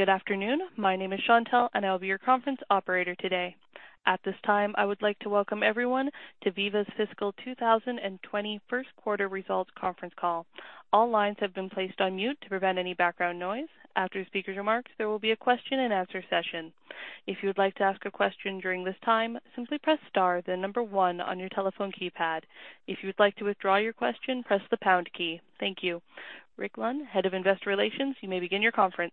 Good afternoon. My name is Chantelle, and I'll be your conference operator today. At this time, I would like to welcome everyone to Veeva's fiscal 2021 first quarter results conference Call. All lines have been placed on mute to prevent any background noise. After the speaker's remarks, there will be a question-and-answer session. If you would like to ask a question during this time, simply press star one on your telephone keypad. If you would like to withdraw your question, press the pound key. Thank you. Rick Lund, Head of Investor Relations, you may begin your conference.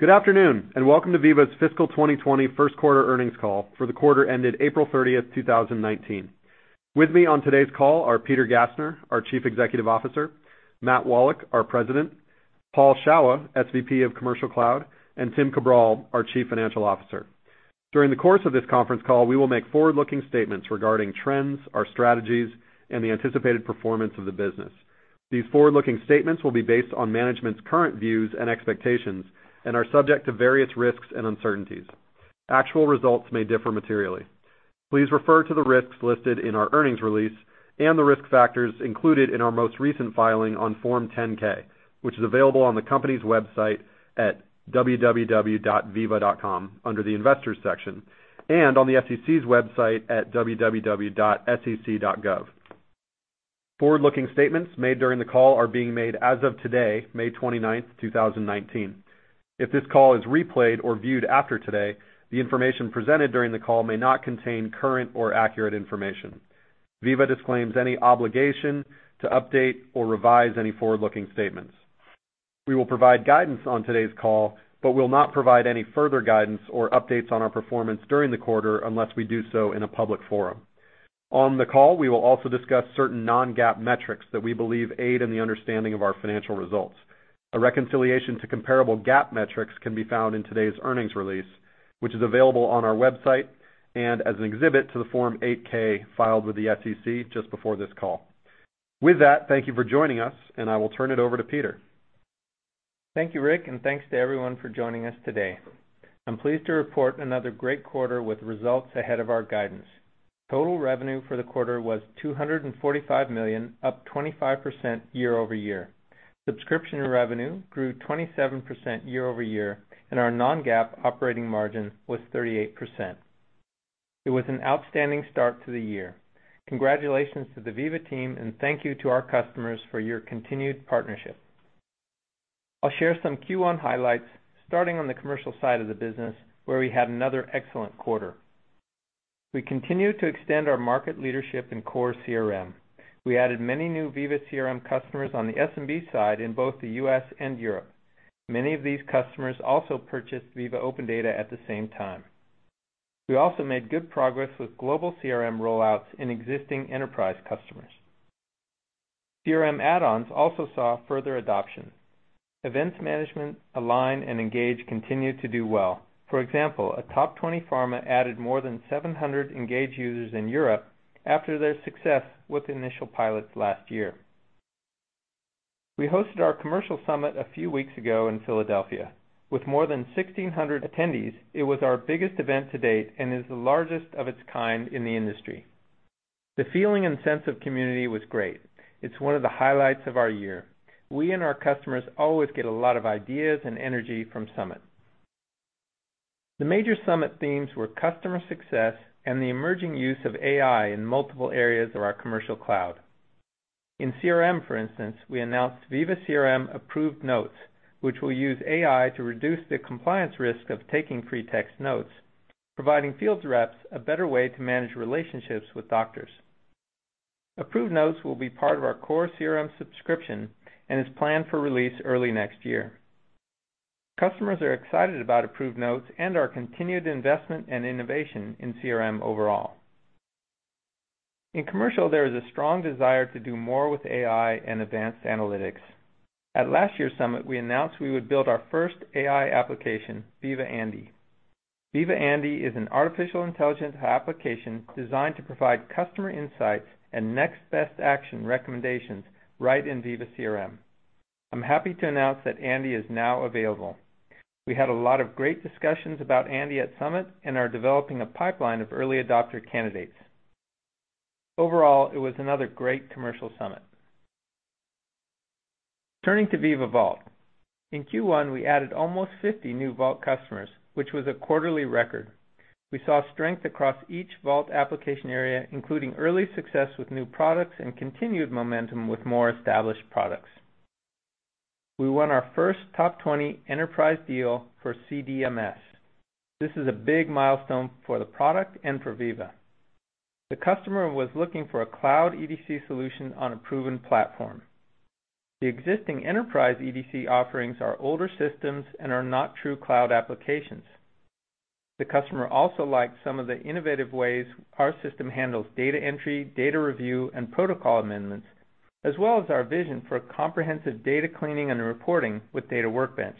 Good afternoon, and welcome to Veeva's Fiscal 2020 first quarter earnings call for the quarter ended April 30th, 2019. With me on today's call are Peter Gassner, our Chief Executive Officer, Matt Wallach, our President, Paul Shawah, SVP of Commercial Cloud, and Tim Cabral, our Chief Financial Officer. During the course of this conference call, we will make forward-looking statements regarding trends, our strategies, and the anticipated performance of the business. These forward-looking statements will be based on management's current views and expectations and are subject to various risks and uncertainties. Actual results may differ materially. Please refer to the risks listed in our earnings release and the risk factors included in our most recent filing on Form 10-K, which is available on the company's website at www.veeva.com under the Investors section and on the SEC's website at www.sec.gov. Forward-looking statements made during the call are being made as of today, May 29, 2019. If this call is replayed or viewed after today, the information presented during the call may not contain current or accurate information. Veeva disclaims any obligation to update or revise any forward-looking statements. We will provide guidance on today's call, but will not provide any further guidance or updates on our performance during the quarter unless we do so in a public forum. On the call, we will also discuss certain non-GAAP metrics that we believe aid in the understanding of our financial results. A reconciliation to comparable GAAP metrics can be found in today's earnings release, which is available on our website and as an exhibit to the Form 8-K filed with the SEC just before this call. With that, thank you for joining us, and I will turn it over to Peter. Thank you, Rick, thanks to everyone for joining us today. I'm pleased to report another great quarter with results ahead of our guidance. Total revenue for the quarter was $245 million, up 25% year-over-year. Subscription revenue grew 27% year-over-year, our non-GAAP operating margin was 38%. It was an outstanding start to the year. Congratulations to the Veeva team, thank you to our customers for your continued partnership. I'll share some Q1 highlights, starting on the commercial side of the business, where we had another excellent quarter. We continued to extend our market leadership in core CRM. We added many new Veeva CRM customers on the SMB side in both the U.S. and Europe. Many of these customers also purchased Veeva OpenData at the same time. We also made good progress with global CRM rollouts in existing enterprise customers. CRM add-ons also saw further adoption. Events Management, Align, and Engage continued to do well. For example, a top 20 pharma added more than 700 Engage users in Europe after their success with initial pilots last year. We hosted our Commercial Summit a few weeks ago in Philadelphia. With more than 1,600 attendees, it was our biggest event to date and is the largest of its kind in the industry. The feeling and sense of community was great. It's one of the highlights of our year. We and our customers always get a lot of ideas and energy from Summit. The major Summit themes were customer success and the emerging use of AI in multiple areas of our Commercial Cloud. In CRM, for instance, we announced Veeva CRM Approved Notes, which will use AI to reduce the compliance risk of taking free text notes, providing field reps a better way to manage relationships with doctors. Approved Notes will be part of our core CRM subscription and is planned for release early next year. Customers are excited about Approved Notes and our continued investment and innovation in CRM overall. In commercial, there is a strong desire to do more with AI and advanced analytics. At last year's Summit, we announced we would build our one AI application, Veeva Andi. Veeva Andi is an artificial intelligence application designed to provide customer insights and next best action recommendations right in Veeva CRM. I'm happy to announce that Andi is now available. We had a lot of great discussions about Andi at Summit and are developing a pipeline of early adopter candidates. Overall, it was another great commercial Summit. Turning to Veeva Vault. In Q1, we added almost 50 new Vault customers, which was a quarterly record. We saw strength across each Vault application area, including early success with new products and continued momentum with more established products. We won our first top 20 enterprise deal for CDMS. This is a big milestone for the product and for Veeva. The customer was looking for a cloud EDC solution on a proven platform. The existing enterprise EDC offerings are older systems and are not true cloud applications. The customer also liked some of the innovative ways our system handles data entry, data review, and protocol amendments, as well as our vision for comprehensive data cleaning and reporting with Data Workbench.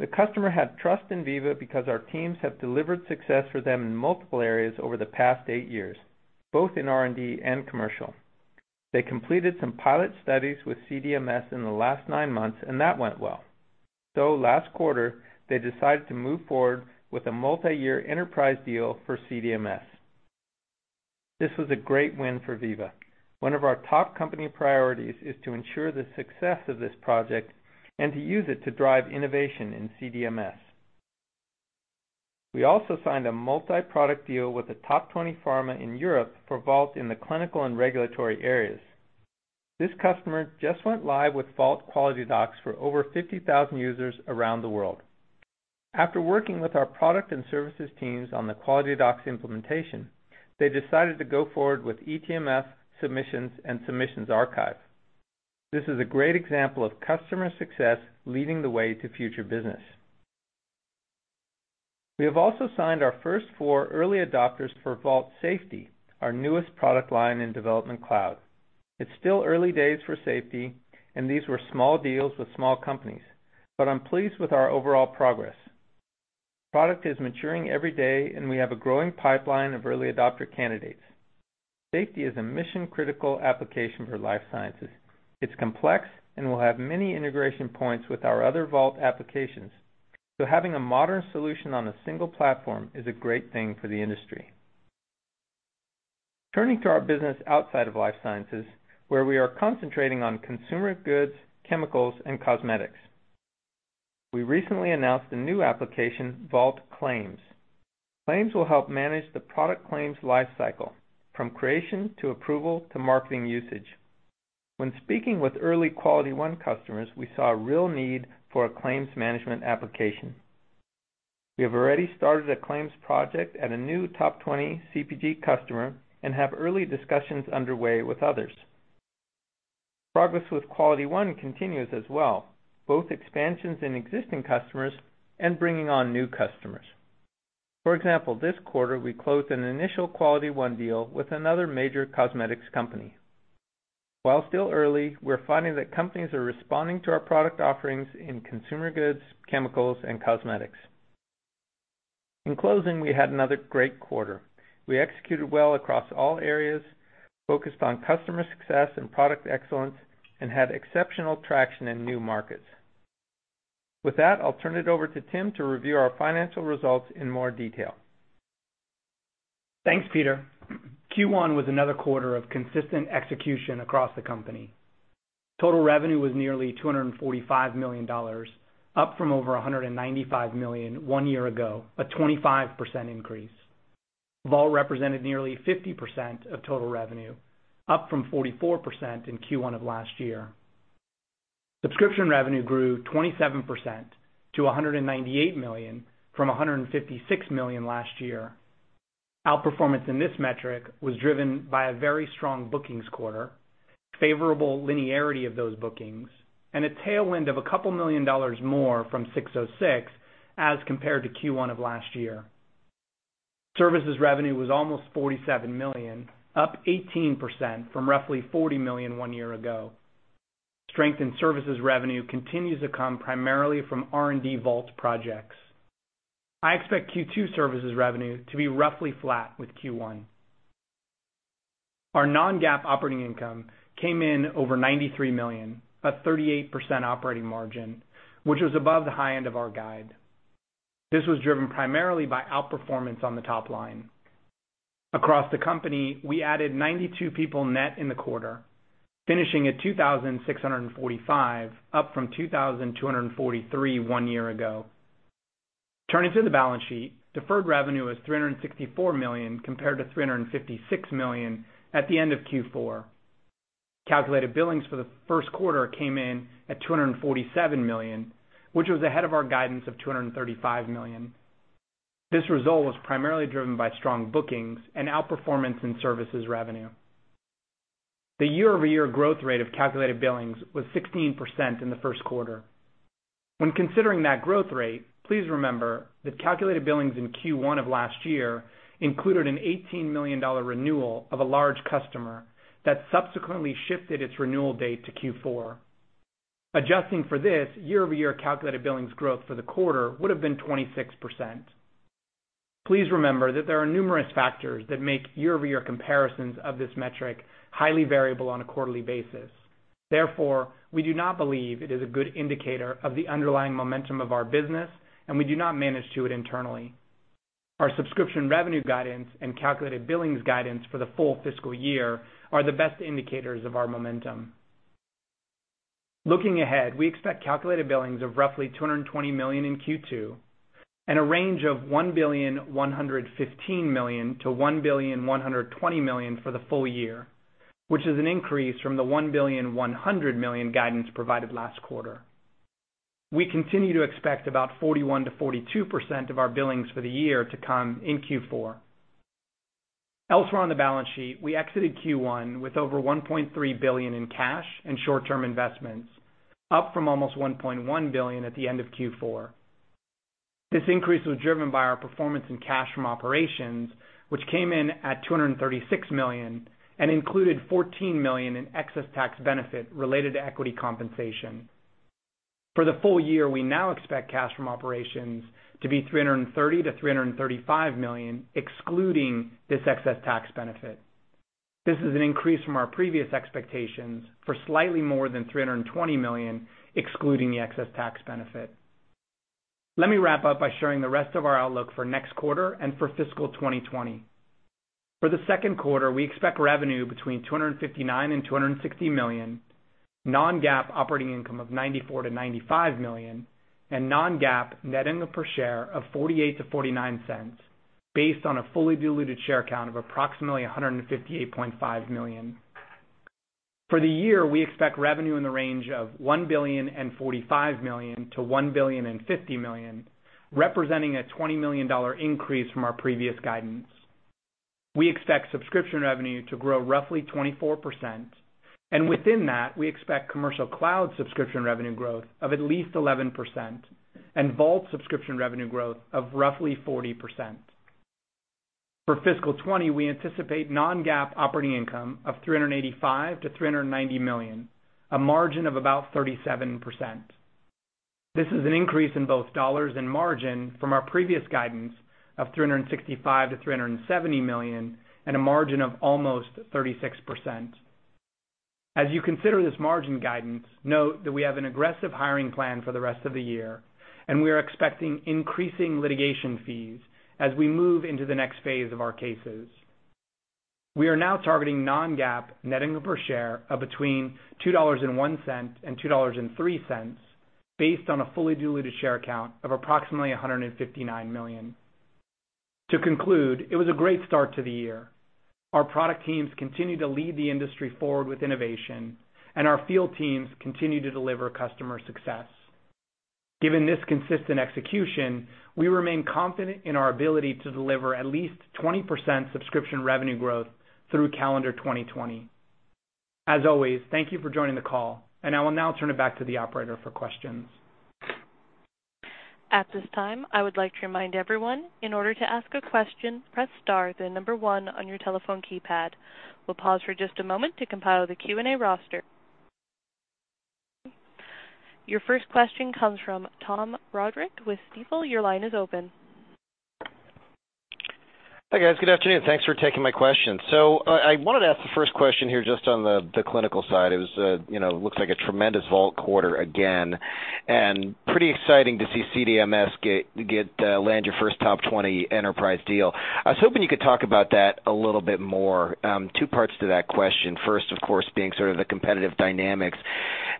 The customer had trust in Veeva because our teams have delivered success for them in multiple areas over the past eight years, both in R&D and commercial. They completed some pilot studies with CDMS in the last nine months, and that went well. Last quarter, they decided to move forward with a multi-year enterprise deal for CDMS. This was a great win for Veeva. One of our top company priorities is to ensure the success of this project and to use it to drive innovation in CDMS. We also signed a multi-product deal with a top 20 pharma in Europe for Vault in the clinical and regulatory areas. This customer just went live with Vault QualityDocs for over 50,000 users around the world. After working with our product and services teams on the QualityDocs implementation, they decided to go forward with eTMF, Submissions, and Submissions Archive. This is a great example of customer success leading the way to future business. We have also signed our first four early adopters for Vault Safety, our newest product line in Development Cloud. It's still early days for safety, and these were small deals with small companies, but I'm pleased with our overall progress. The product is maturing every day, and we have a growing pipeline of early adopter candidates. Safety is a mission-critical application for life sciences. It's complex and will have many integration points with our other Vault applications, so having a modern solution on a single platform is a great thing for the industry. Turning to our business outside of life sciences, where we are concentrating on consumer goods, chemicals, and cosmetics. We recently announced a new application, Vault Claims. Claims will help manage the product claims lifecycle, from creation to approval to marketing usage. When speaking with early QualityOne customers, we saw a real need for a claims management application. We have already started a claims project at a new top 20 CPG customer and have early discussions underway with others. Progress with QualityOne continues as well, both expansions in existing customers and bringing on new customers. For example, this quarter we closed an initial QualityOne deal with another major cosmetics company. While still early, we're finding that companies are responding to our product offerings in consumer goods, chemicals, and cosmetics. In closing, we had another great quarter. We executed well across all areas, focused on customer success and product excellence, and had exceptional traction in new markets. With that, I'll turn it over to Tim to review our financial results in more detail. Thanks, Peter. Q1 was another quarter of consistent execution across the company. Total revenue was nearly $245 million, up from over $195 million one year ago, a 25% increase. Vault represented nearly 50% of total revenue, up from 44% in Q1 of last year. Subscription revenue grew 27% to $198 million from $156 million last year. Outperformance in this metric was driven by a very strong bookings quarter, favorable linearity of those bookings, and a tailwind of a couple million dollars more from ASC 606 as compared to Q1 of last year. Services revenue was almost $47 million, up 18% from roughly $40 million one year ago. Strength in services revenue continues to come primarily from R&D Vault projects. I expect Q2 services revenue to be roughly flat with Q1. Our non-GAAP operating income came in over $93 million, a 38% operating margin, which was above the high end of our guide. This was driven primarily by outperformance on the top line. Across the company, we added 92 people net in the quarter, finishing at 2,645, up from 2,243 one year ago. Turning to the balance sheet, deferred revenue was $364 million compared to $356 million at the end of Q4. Calculated billings for the first quarter came in at $247 million, which was ahead of our guidance of $235 million. This result was primarily driven by strong bookings and outperformance in services revenue. The year-over-year growth rate of calculated billings was 16% in the first quarter. When considering that growth rate, please remember that calculated billings in Q1 of last year included an $18 million renewal of a large customer that subsequently shifted its renewal date to Q4. Adjusting for this, year-over-year calculated billings growth for the quarter would have been 26%. Please remember that there are numerous factors that make year-over-year comparisons of this metric highly variable on a quarterly basis. We do not believe it is a good indicator of the underlying momentum of our business, and we do not manage to it internally. Our subscription revenue guidance and calculated billings guidance for the full fiscal year are the best indicators of our momentum. Looking ahead, we expect calculated billings of roughly $220 million in Q2 and a range of $1.115 billion-$1.120 billion for the full year, which is an increase from the $1.1 billion guidance provided last quarter. We continue to expect about 41%-42% of our billings for the year to come in Q4. Elsewhere on the balance sheet, we exited Q1 with over $1.3 billion in cash and short-term investments, up from almost $1.1 billion at the end of Q4. This increase was driven by our performance in cash from operations, which came in at $236 million, and included $14 million in excess tax benefit related to equity compensation. For the full year, we now expect cash from operations to be $330 million-$335 million, excluding this excess tax benefit. This is an increase from our previous expectations for slightly more than $320 million, excluding the excess tax benefit. Let me wrap up by sharing the rest of our outlook for next quarter and for fiscal 2020. For the second quarter, we expect revenue between $259 million and $260 million, non-GAAP operating income of $90 million-$95 million, and non-GAAP net income per share of $0.48-$0.49 based on a fully diluted share count of approximately 158.5 million. For the year, we expect revenue in the range of $1.045 billion-$1.050 billion, representing a $20 million increase from our previous guidance. We expect subscription revenue to grow roughly 24%, and within that, we expect Commercial Cloud subscription revenue growth of at least 11% and Vault's subscription revenue growth of roughly 40%. For FY 2020, we anticipate non-GAAP operating income of $385 million-$390 million, a margin of about 37%. This is an increase in both dollars and margin from our previous guidance of $365 million-$370 million and a margin of almost 36%. As you consider this margin guidance, note that we have an aggressive hiring plan for the rest of the year, and we are expecting increasing litigation fees as we move into the next phase of our cases. We are now targeting non-GAAP net income per share of between $2.01 and $2.03 based on a fully diluted share count of approximately 159 million. To conclude, it was a great start to the year. Our product teams continue to lead the industry forward with innovation, and our field teams continue to deliver customer success. Given this consistent execution, we remain confident in our ability to deliver at least 20% subscription revenue growth through calendar 2020. As always, thank you for joining the call, and I will now turn it back to the operator for questions. At this time, I would like to remind everyone, in order to ask a question, press star then 1 on your telephone keypad. We'll pause for just a moment to compile the Q&A roster. Your first question comes from Tom Roderick with Stifel. Your line is open. Hi, guys. Good afternoon. Thanks for taking my questions. I wanted to ask the first question here just on the clinical side. It was, you know, looks like a tremendous Veeva Vault quarter again. Pretty exciting to see Veeva CDMS get land your first top 20 enterprise deal. I was hoping you could talk about that a little bit more. Two parts to that question. First, of course, being sort of the competitive dynamics.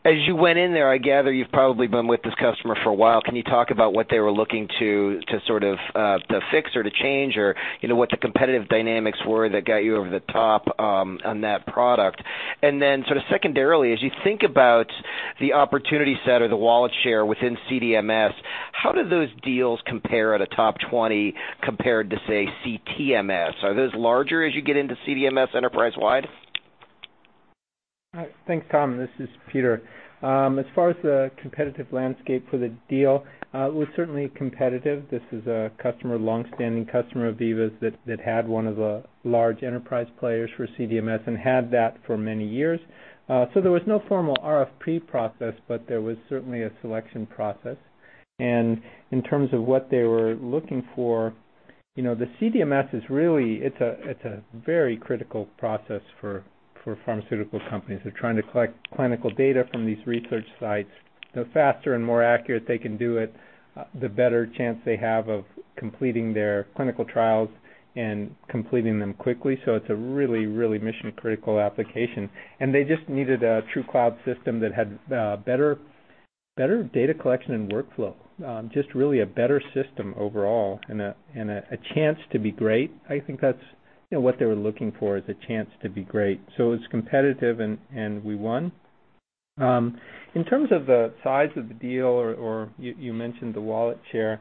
As you went in there, I gather you've probably been with this customer for a while. Can you talk about what they were looking to sort of to fix or to change or, you know, what the competitive dynamics were that got you over the top on that product? Sort of secondarily, as you think about the opportunity set or the wallet share within CDMS, how do those deals compare at a top 20 compared to, say, CTMS? Are those larger as you get into CDMS enterprise-wide? Thanks, Tom. This is Peter. As far as the competitive landscape for the deal, it was certainly competitive. This is a customer, longstanding customer of Veeva's that had one of the large enterprise players for CDMS and had that for many years. There was no formal RFP process, but there was certainly a selection process. In terms of what they were looking for, you know, the CDMS is really, it's a very critical process for pharmaceutical companies. They're trying to collect clinical data from these research sites. The faster and more accurate they can do it, the better chance they have of completing their clinical trials and completing them quickly. It's a really mission-critical application. They just needed a true cloud system that had better data collection and workflow. Just really a better system overall and a chance to be great. I think that's, you know, what they were looking for is a chance to be great. It's competitive, and we won. In terms of the size of the deal or you mentioned the wallet share,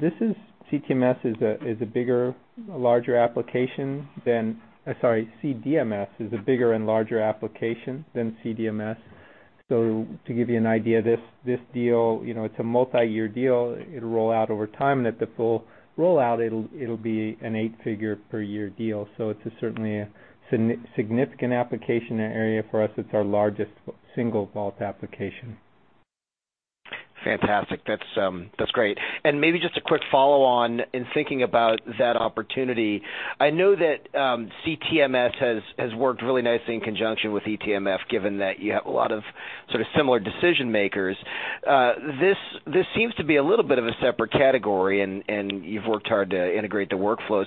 this is CTMS is a bigger, larger application than Sorry. CDMS is a bigger and larger application than CDMS. To give you an idea, this deal, you know, it's a multi-year deal. It'll roll out over time, and at the full rollout, it'll be an $8-figure per year deal. It's certainly a significant application area for us. It's our largest single Vault application. Fantastic. That's great. Maybe just a quick follow-on in thinking about that opportunity. I know that CTMS has worked really nicely in conjunction with eTMF, given that you have a lot of sort of similar decision-makers. This seems to be a little bit of a separate category and you've worked hard to integrate the workflows.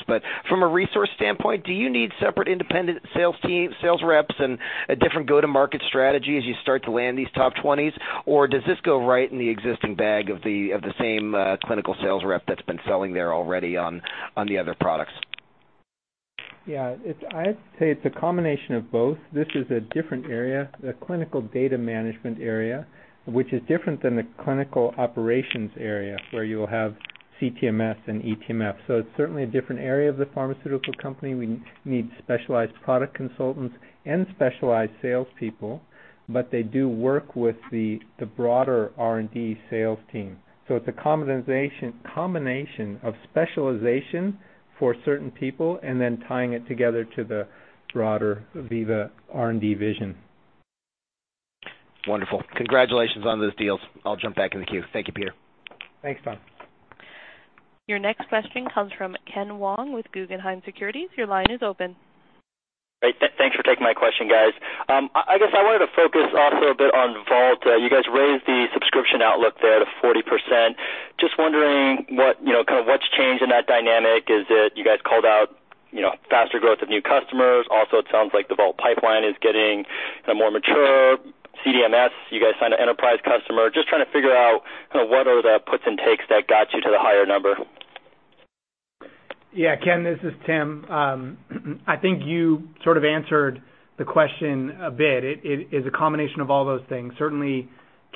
From a resource standpoint, do you need separate independent sales team, sales reps and a different go-to-market strategy as you start to land these top 20s? Does this go right in the existing bag of the same clinical sales rep that's been selling there already on the other products? Yeah. I'd say it's a combination of both. This is a different area, the clinical data management area, which is different than the clinical operations area, where you'll have CTMS and eTMF. It's certainly a different area of the pharmaceutical company. We need specialized product consultants and specialized salespeople, but they do work with the broader R&D sales team. It's a combination of specialization for certain people and then tying it together to the broader Veeva R&D vision. Wonderful. Congratulations on those deals. I'll jump back in the queue. Thank you, Peter. Thanks, Tom. Your next question comes from Ken Wong with Guggenheim Securities. Your line is open. Great. thanks for taking my question, guys. I guess I wanted to focus also a bit on Vault. you guys raised the subscription outlook there to 40%. Just wondering what, you know, kind of what's changed in that dynamic? Is it you guys called out, you know, faster growth of new customers? Also, it sounds like the Vault pipeline is getting more mature. CDMS, you guys signed an enterprise customer. Just trying to figure out kinda what are the puts and takes that got you to the higher number? Yeah, Ken, this is Tim. I think you sort of answered the question a bit. It is a combination of all those things. Certainly,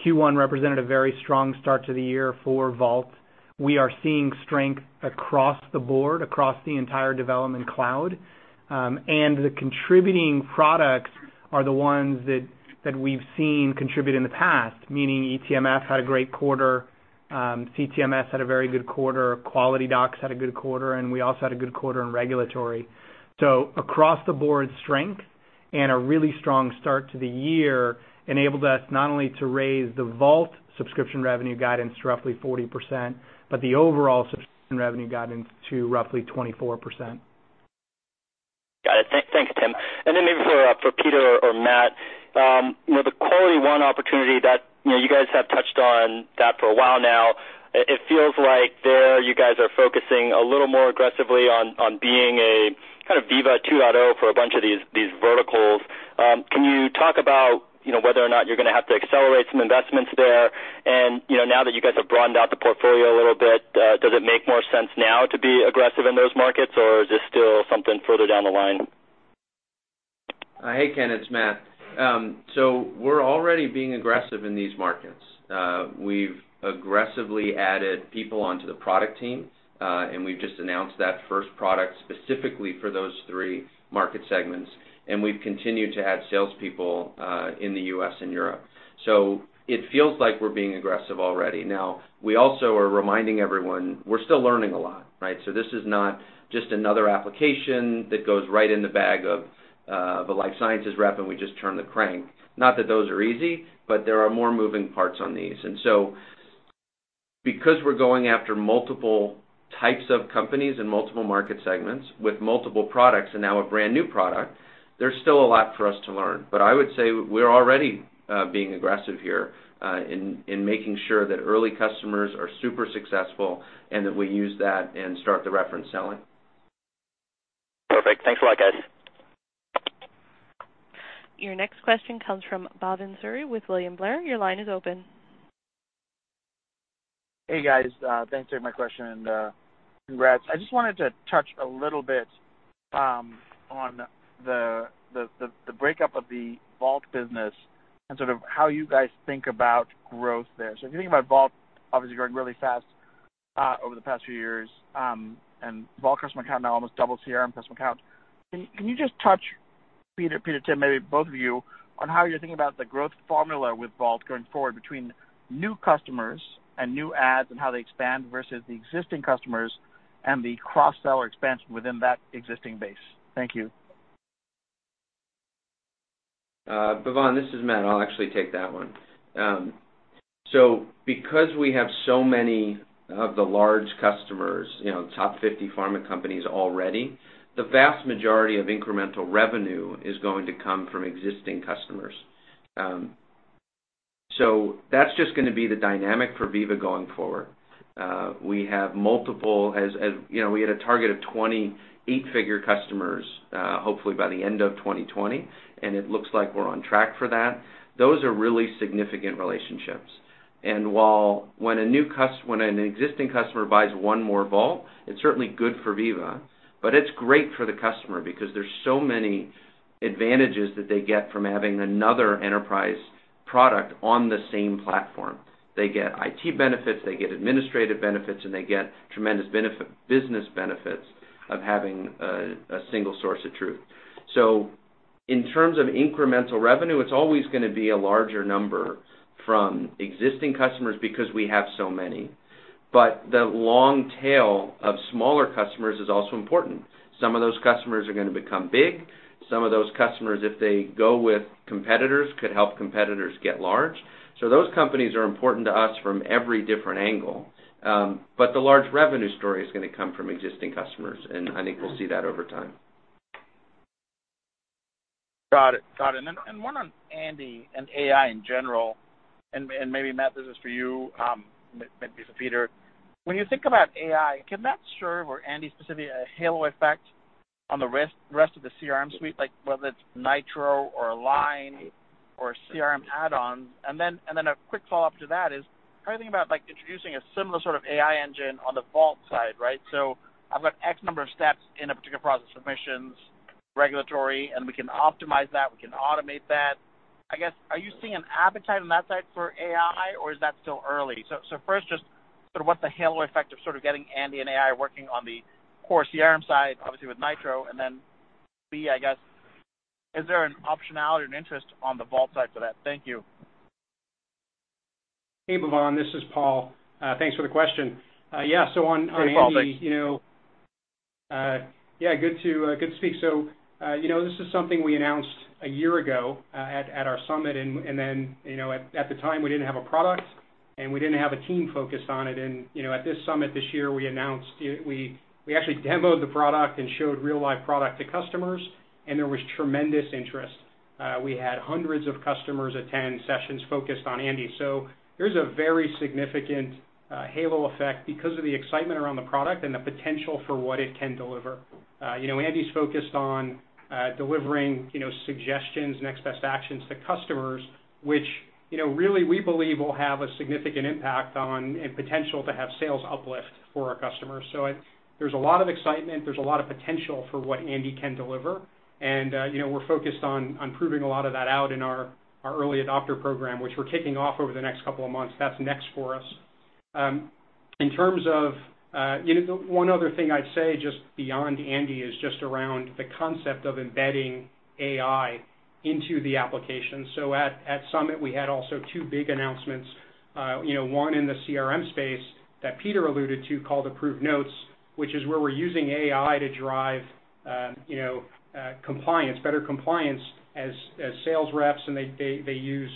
Q1 represented a very strong start to the year for Vault. We are seeing strength across the board, across the entire Development Cloud. The contributing products are the ones that we've seen contribute in the past, meaning eTMF had a great quarter, CTMS had a very good quarter, QualityDocs had a good quarter, and we also had a good quarter in regulatory. Across the board strength and a really strong start to the year enabled us not only to raise the Vault subscription revenue guidance to roughly 40%, but the overall subscription revenue guidance to roughly 24%. Got it. Thanks, Tim. Then maybe for Peter or Matt. You know, the QualityOne opportunity that, you know, you guys have touched on that for a while now. It feels like there you guys are focusing a little more aggressively on being a kind of Veeva 2.0 for a bunch of these verticals. Can you talk about, you know, whether or not you're gonna have to accelerate some investments there? Now that you guys have broadened out the portfolio a little bit, does it make more sense now to be aggressive in those markets, or is this still something further down the line? Hey, Ken, it's Matt. We're already being aggressive in these markets. We've aggressively added people onto the product team, and we've just announced that first product specifically for those three market segments, and we've continued to add salespeople in the U.S. and Europe. It feels like we're being aggressive already. Now, we also are reminding everyone we're still learning a lot, right? This is not just another application that goes right in the bag of the life sciences rep, and we just turn the crank. Not that those are easy, there are more moving parts on these. Because we're going after multiple types of companies and multiple market segments with multiple products and now a brand-new product, there's still a lot for us to learn. I would say we're already being aggressive here, in making sure that early customers are super successful and that we use that and start the reference selling. Perfect. Thanks a lot, guys. Your next question comes from Bhavan Suri with William Blair. Your line is open. Hey, guys. Thanks for taking my question, and congrats. I just wanted to touch a little bit on the breakup of the Vault business and sort of how you guys think about growth there. If you think about Vault obviously growing really fast over the past few years, and Vault customer count now almost double CRM customer count. Can you just touch, Peter, Tim, maybe both of you, on how you're thinking about the growth formula with Vault going forward between new customers and new ads and how they expand versus the existing customers and the cross-sell or expansion within that existing base? Thank you. Bhavan, this is Matt. I'll actually take that one. Because we have so many of the large customers, you know, top 50 pharma companies already, the vast majority of incremental revenue is going to come from existing customers. That's just gonna be the dynamic for Veeva going forward. We have multiple, you know, we had a target of 20 eight-figure customers, hopefully by the end of 2020, and it looks like we're on track for that. Those are really significant relationships. While when an existing customer buys one more Vault, it's certainly good for Veeva, but it's great for the customer because there's so many advantages that they get from having another enterprise product on the same platform. They get IT benefits, they get administrative benefits, and they get tremendous business benefits of having a single source of truth. In terms of incremental revenue, it's always gonna be a larger number from existing customers because we have so many. The long tail of smaller customers is also important. Some of those customers are gonna become big. Some of those customers, if they go with competitors, could help competitors get large. Those companies are important to us from every different angle. The large revenue story is gonna come from existing customers, and I think we'll see that over time. Got it. Got it. One on Andi and AI in general, maybe, Matt, this is for you, maybe so Peter. When you think about AI, can that serve or Andi specifically a halo effect on the rest of the Veeva CRM suite, like whether it's Veeva Nitro or Align or Veeva CRM add-ons? A quick follow-up to that is, how do you think about, like, introducing a similar sort of AI engine on the Veeva Vault side, right? I've got X number of steps in a particular process, submissions, regulatory, and we can optimize that, we can automate that. I guess, are you seeing an appetite on that side for AI, or is that still early? First, just what's the halo effect of getting Andi and AI working on the core CRM side, obviously with Nitro, and then B, I guess, is there an optionality and interest on the Vault side for that? Thank you. Hey, Bhavan, this is Paul. thanks for the question. Hey, Paul. Thanks Yeah, good to, good to speak. You know, this is something we announced a year ago, at our Summit. You know, at the time, we didn't have a product, and we didn't have a team focused on it. You know, at this Summit this year, we actually demoed the product and showed real live product to customers, and there was tremendous interest. We had hundreds of customers attend sessions focused on Andi. There's a very significant, halo effect because of the excitement around the product and the potential for what it can deliver. You know, Andi's focused on, delivering, you know, suggestions, next best actions to customers, which, you know, really, we believe will have a significant impact on and potential to have sales uplift for our customers. There's a lot of excitement, there's a lot of potential for what Andi can deliver. You know, we're focused on proving a lot of that out in our early adopter program, which we're kicking off over the next couple of months. That's next for us. In terms of, you know, one other thing I'd say just beyond Andi is just around the concept of embedding AI into the application. At Summit, we had also two big announcements, you know, one in the CRM space that Peter alluded to called Approved Notes, which is where we're using AI to drive, you know, compliance, better compliance as sales reps and they use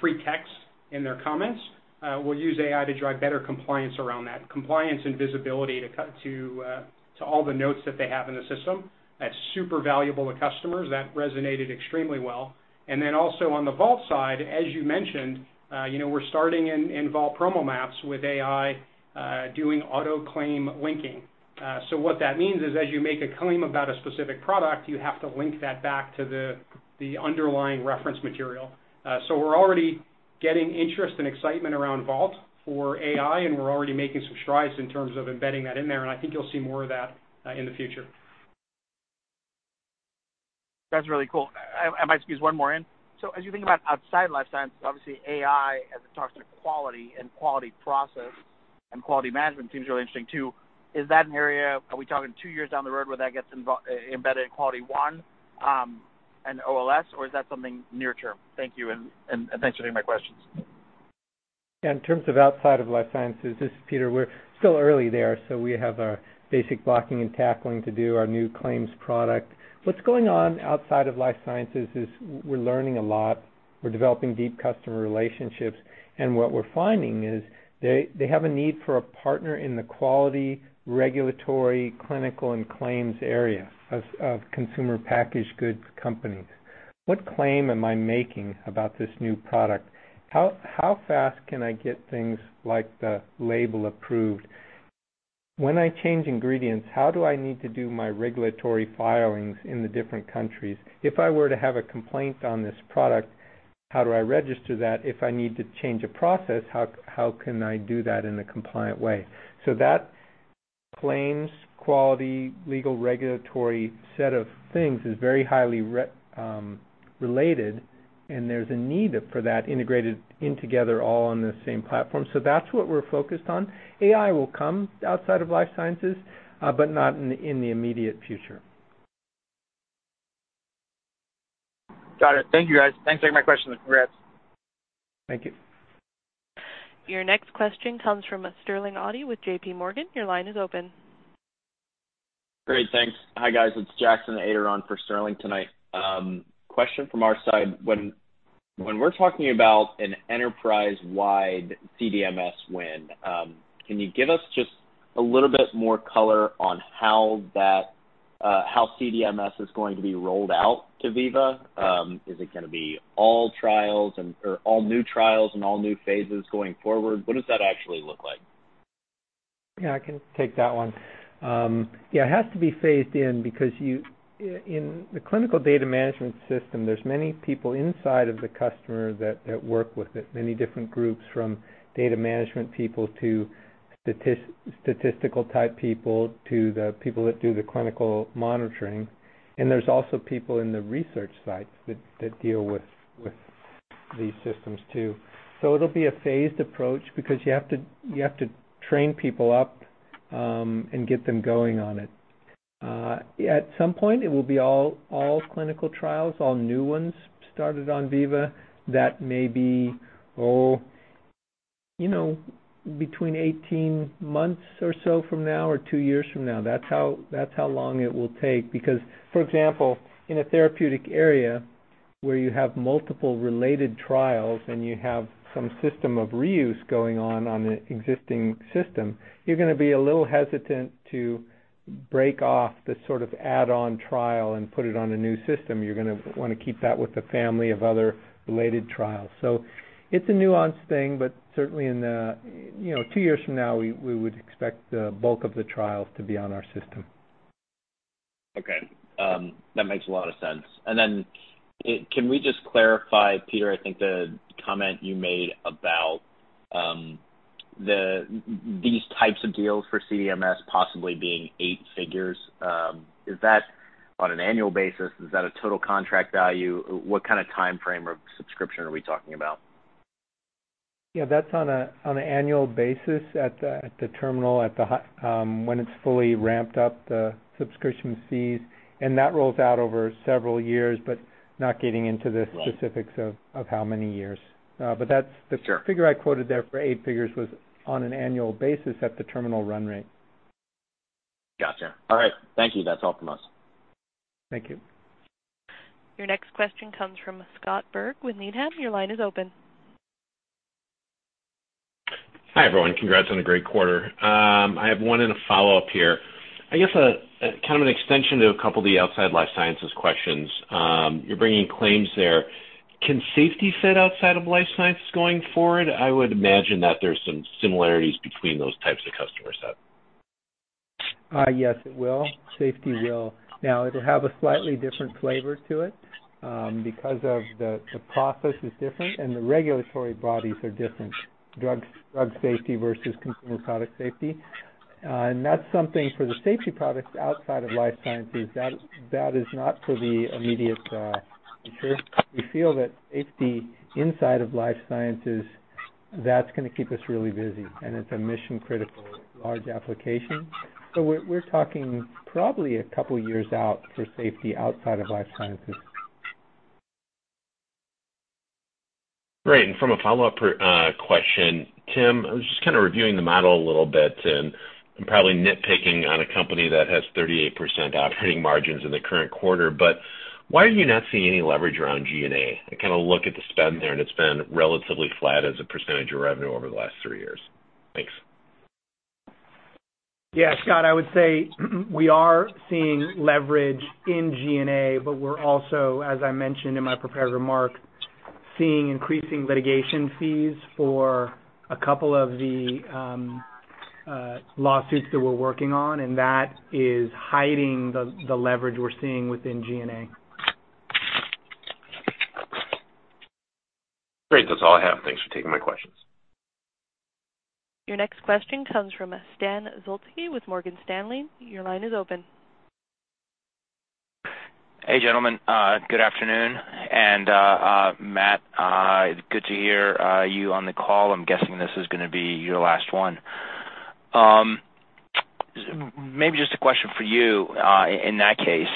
free text in their comments. We'll use AI to drive better compliance around that. Compliance and visibility to all the notes that they have in the system. That's super valuable to customers. That resonated extremely well. Also on the Vault side, as you mentioned, you know, we're starting in Vault PromoMats with AI, doing Auto Claim Linking. What that means is, as you make a claim about a specific product, you have to link that back to the underlying reference material. We're already getting interest and excitement around Vault for AI, and we're already making some strides in terms of embedding that in there, and I think you'll see more of that in the future. That's really cool. I might squeeze one more in. As you think about Outside Life Sciences, obviously AI, as it talks to quality and quality process and quality management seems really interesting too. Are we talking two years down the road where that gets embedded in QualityOne and OLS, or is that something near term? Thank you, and thanks for taking my questions. In terms of Outside Life Sciences, this is Peter, we're still early there. We have our basic blocking and tackling to do our new claims product. What's going on Outside Life Sciences is we're learning a lot. We're developing deep customer relationships. What we're finding is they have a need for a partner in the quality, regulatory, clinical and claims area of consumer packaged goods companies. What claim am I making about this new product? How fast can I get things like the label approved? When I change ingredients, how do I need to do my regulatory filings in the different countries? If I were to have a complaint on this product, how do I register that? If I need to change a process, how can I do that in a compliant way? That claims, quality, legal, regulatory set of things is very highly related, and there's a need for that integrated in together all on the same platform. That's what we're focused on. AI will come outside of life sciences, but not in the immediate future. Got it. Thank you, guys. Thanks for taking my questions. Congrats. Thank you. Your next question comes from Sterling Auty with JPMorgan. Your line is open. Great. Thanks. Hi, guys. It's Jackson Ader for Sterling tonight. Question from our side. When we're talking about an enterprise-wide CDMS win, can you give us just a little bit more color on how that, how CDMS is going to be rolled out to Veeva? Is it gonna be all trials and or all new trials and all new phases going forward? What does that actually look like? Yeah, I can take that one. it has to be phased in because in the clinical data management system, there's many people inside of the customer that work with it, many different groups, from data management people to statistical type people to the people that do the clinical monitoring. there's also people in the research sites that deal with these systems too. it'll be a phased approach because you have to train people up and get them going on it. at some point, it will be all clinical trials, all new ones started on Veeva. That may be, you know, between 18 months or so from now or two years from now. That's how long it will take. For example, in a therapeutic area where you have multiple related trials and you're gonna have some system of reuse going on on the existing system, you're gonna be a little hesitant to break off the sort of add-on trial and put it on a new system. You're gonna wanna keep that with the family of other related trials. It's a nuanced thing, but certainly in the, you know, two years from now, we would expect the bulk of the trials to be on our system. Okay. That makes a lot of sense. Can we just clarify, Peter, I think the comment you made about these types of deals for CDMS possibly being eight figures. Is that on an annual basis? Is that a total contract value? What kind of timeframe or subscription are we talking about? Yeah, that's on an annual basis at the terminal, when it's fully ramped up the subscription fees. That rolls out over several years. Not getting into the- Right specifics of how many years. Sure the figure I quoted there for eight figures was on an annual basis at the terminal run rate. Gotcha. All right. Thank you. That's all from us. Thank you. Your next question comes from Scott Berg with Needham. Your line is open. Hi, everyone. Congrats on a great quarter. I have one and a follow-up here. I guess, kind of an extension to a couple of the Outside Life Sciences questions. You're bringing claims there. Can safety fit outside of Life Sciences going forward? I would imagine that there's some similarities between those types of customer set. Yes, it will. Safety will. Now, it'll have a slightly different flavor to it because of the process is different and the regulatory bodies are different. Drug safety versus consumer product safety. And that's something for the safety products outside of life sciences, that is not for the immediate future. We feel that safety inside of life sciences, that's gonna keep us really busy, and it's a mission-critical large application. We're talking probably a couple years out for safety outside of life sciences. Great. From a follow-up question, Tim, I was just kind of reviewing the model a little bit, and I'm probably nitpicking on a company that has 38% operating margins in the current quarter, but why are you not seeing any leverage around G&A? I kind of look at the spend there, and it's been relatively flat as a percentage of revenue over the last 3 years. Thanks. Yeah, Scott, I would say we are seeing leverage in G&A, but we're also, as I mentioned in my prepared remark, seeing increasing litigation fees for a couple of the lawsuits that we're working on, and that is hiding the leverage we're seeing within G&A. Great. That's all I have. Thanks for taking my questions. Your next question comes from Stan Zlotsky with Morgan Stanley. Your line is open. Hey, gentlemen. Good afternoon. Matt, good to hear you on the call. I'm guessing this is gonna be your last one. Maybe just a question for you in that case.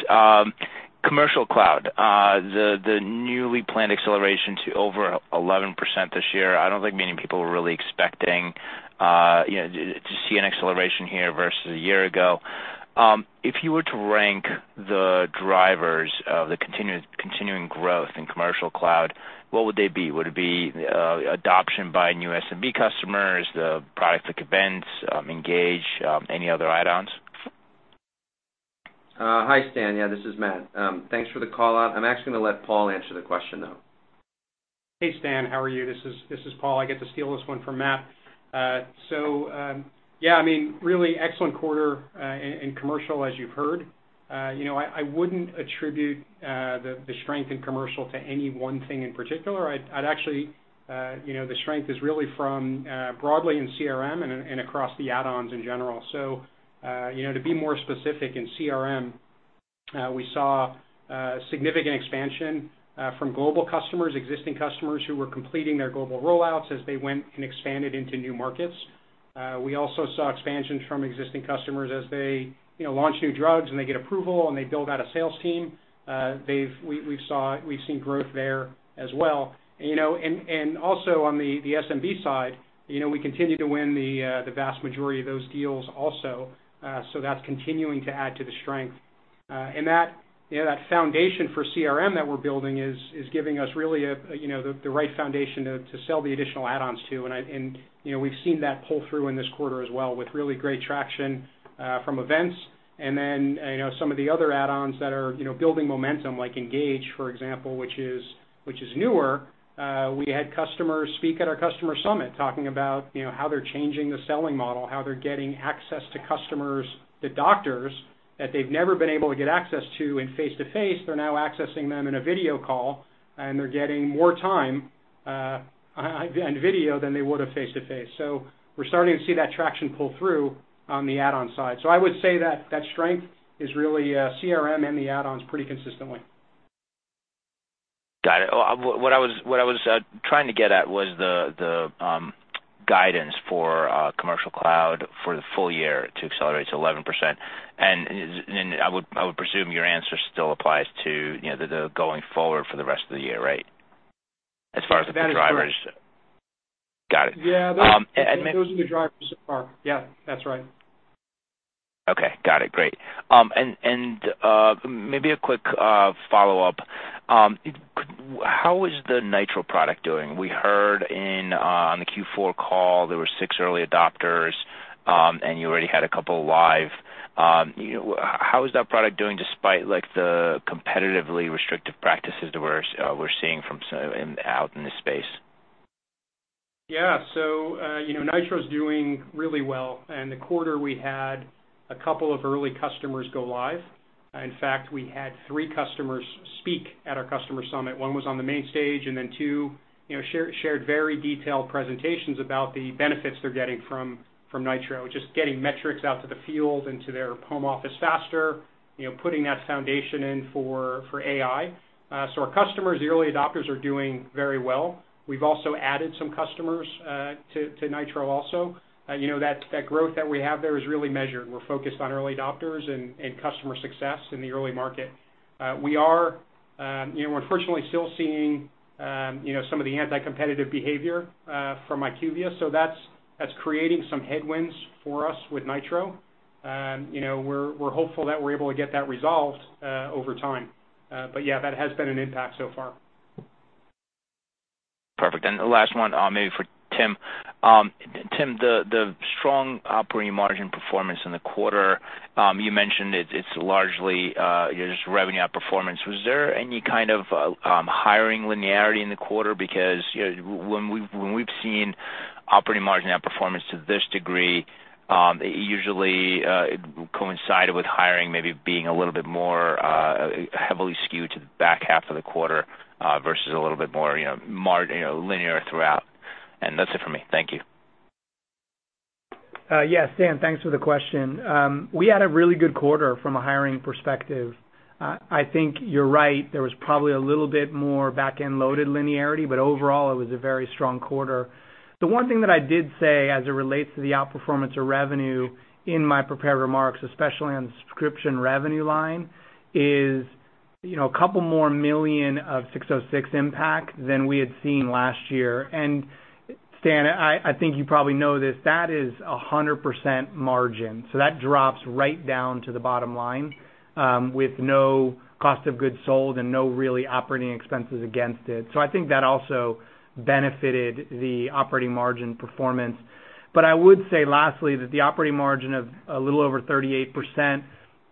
Commercial Cloud, the newly planned acceleration to over 11% this year, I don't think many people were really expecting, you know, to see an acceleration here versus a year ago. If you were to rank the drivers of the continuing growth in Commercial Cloud, what would they be? Would it be adoption by new SMB customers, the products like Events, Engage, any other add-ons? Hi, Stan. Yeah, this is Matt. Thanks for the call out. I'm actually going to let Paul answer the question, though. Hey, Stan. How are you? This is Paul. I get to steal this one from Matt. I mean, really excellent quarter in commercial, as you've heard. You know, I wouldn't attribute the strength in commercial to any one thing in particular. I'd actually, you know, the strength is really from broadly in CRM and across the add-ons in general. You know, to be more specific, in CRM, we saw significant expansion from global customers, existing customers who were completing their global rollouts as they went and expanded into new markets. We also saw expansions from existing customers as they, you know, launch new drugs and they get approval and they build out a sales team. We've seen growth there as well. You know, and also on the SMB side, you know, we continue to win the vast majority of those deals also. That's continuing to add to the strength. That, you know, that foundation for CRM that we're building is giving us really a, you know, the right foundation to sell the additional add-ons to. You know, we've seen that pull through in this quarter as well with really great traction from events. You know, some of the other add-ons that are, you know, building momentum, like Engage, for example, which is newer, we had customers speak at our customer Summit talking about, you know, how they're changing the selling model, how they're getting access to customers, to doctors that they've never been able to get access to in face-to-face. They're now accessing them in a video call, and they're getting more time in video than they would have face-to-face. We're starting to see that traction pull through on the add-on side. I would say that that strength is really CRM and the add-ons pretty consistently. Got it. What I was trying to get at was the guidance for Commercial Cloud for the full year to accelerate to 11%. Then I would presume your answer still applies to, you know, the going forward for the rest of the year, right? As far as the drivers. That is correct. Got it. Yeah. Um, and- Those are the drivers so far. Yeah, that's right. Okay. Got it. Great. Maybe a quick follow-up. How is the Veeva Nitro product doing? We heard on the Q4 call, there were six early adopters, you already had a couple live. How is that product doing despite, like, the competitively restrictive practices that we're seeing out in this space? Yeah. you know, Nitro's doing really well. In the quarter, we had a couple of early customers go live. In fact, we had three customers speak at our customer Summit. One was on the main stage, two, you know, shared very detailed presentations about the benefits they're getting from Nitro, just getting metrics out to the field into their home office faster, you know, putting that foundation in for AI. Our customers, the early adopters, are doing very well. We've also added some customers to Nitro also. you know, that growth that we have there is really measured. We're focused on early adopters and customer success in the early market. We are, you know, we're unfortunately still seeing, you know, some of the anti-competitive behavior from IQVIA. That's creating some headwinds for us with Nitro. You know, we're hopeful that we're able to get that resolved over time. Yeah, that has been an impact so far. Perfect. The last one, maybe for Tim. Tim, the strong operating margin performance in the quarter, you mentioned it's largely just revenue outperformance. Was there any kind of hiring linearity in the quarter? Because, you know, when we've seen operating margin outperformance to this degree, it usually coincided with hiring maybe being a little bit more heavily skewed to the back half of the quarter versus a little bit more, you know, linear throughout. That's it for me. Thank you. Yes, Stan, thanks for the question. We had a really good quarter from a hiring perspective. I think you're right. There was probably a little bit more back-end loaded linearity, but overall, it was a very strong quarter. The one thing that I did say as it relates to the outperformance of revenue in my prepared remarks, especially on the subscription revenue line, is, you know, a couple more million of ASC 606 impact than we had seen last year. Stan, I think you probably know this, that is a 100% margin, so that drops right down to the bottom line, with no cost of goods sold and no really operating expenses against it. I think that also benefited the operating margin performance. I would say lastly that the operating margin of a little over 38%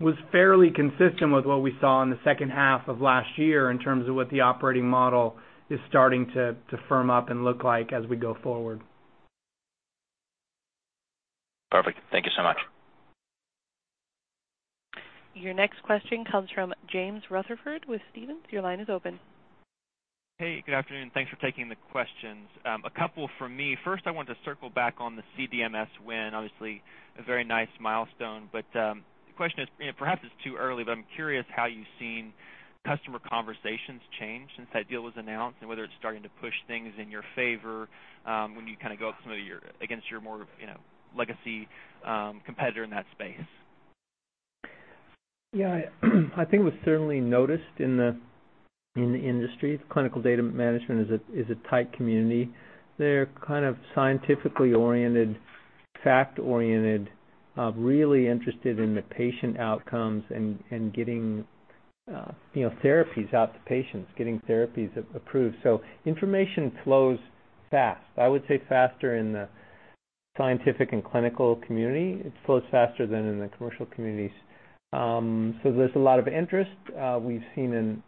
was fairly consistent with what we saw in the second half of last year in terms of what the operating model is starting to firm up and look like as we go forward. Perfect. Thank you so much. Your next question comes from James Rutherford with Stephens. Your line is open. Hey, good afternoon. Thanks for taking the questions. A couple from me. First, I wanted to circle back on the CDMS win. Obviously, a very nice milestone. The question is, you know, perhaps it's too early, but I'm curious how you've seen customer conversations change since that deal was announced and whether it's starting to push things in your favor when you kinda go up some of your against your more, you know, legacy competitor in that space. Yeah, I think it was certainly noticed in the industry. Clinical data management is a tight community. They're kind of scientifically oriented, fact oriented, really interested in the patient outcomes and getting, you know, therapies out to patients, getting therapies approved. Information flows fast. I would say faster in the scientific and clinical community. It flows faster than in the commercial communities. There's a lot of interest. We've seen an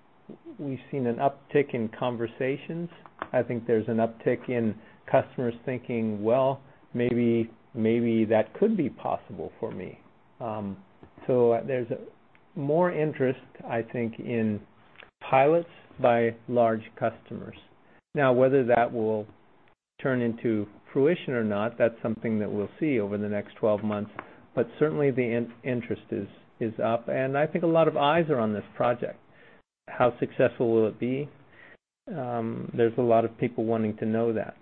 uptick in conversations. I think there's an uptick in customers thinking, "Well, maybe that could be possible for me." There's more interest, I think, in pilots by large customers. Whether that will turn into fruition or not, that's something that we'll see over the next 12 months. Certainly, the in-interest is up, and I think a lot of eyes are on this project. How successful will it be? There's a lot of people wanting to know that.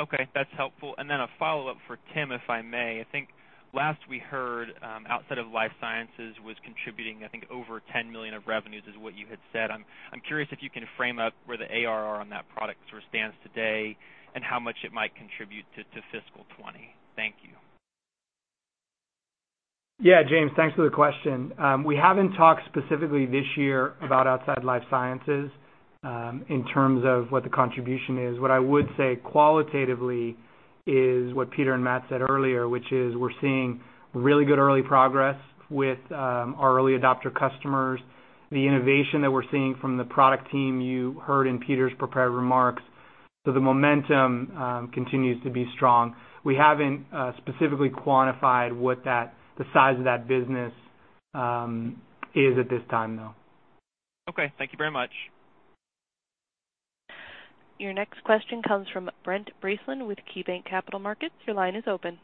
Okay, that's helpful. And then a follow-up for Tim, if I may. I think last we heard, Outside Life Sciences was contributing, I think, over $10 million of revenues is what you had said. I'm curious if you can frame up where the ARR on that product sort of stands today and how much it might contribute to fiscal 2020. Thank you. Yeah, James, thanks for the question. We haven't talked specifically this year about Outside Life Sciences in terms of what the contribution is. What I would say qualitatively is what Peter and Matt said earlier, which is we're seeing really good early progress with our early adopter customers. The innovation that we're seeing from the product team, you heard in Peter's prepared remarks. The momentum continues to be strong. We haven't specifically quantified the size of that business is at this time, though. Okay. Thank you very much. Your next question comes from Brent Bracelin with KeyBanc Capital Markets. Your line is open.